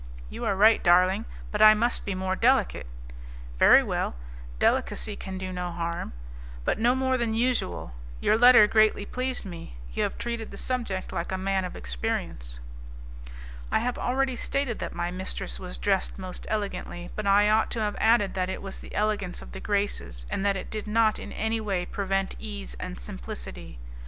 "You are right, darling, but I must be more delicate." "Very well, delicacy can do no harm, but no more than usual. Your letter greatly pleased me, you have treated the subject like a man of experience." I have already stated that my mistress was dressed most elegantly, but I ought to have added that it was the elegance of the Graces, and that it did not in any way prevent ease and simplicity.